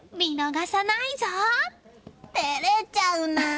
照れちゃうな！